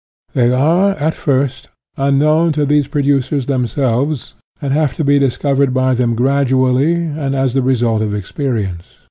They are, at first, unknown to these producers them selves, and have to be discovered by them gradually and as the result of experience.